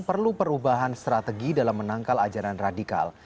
perlu perubahan strategi dalam menangkal ajaran radikal